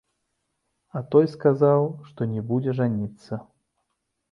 А той сказаў, што не, будзе жаніцца.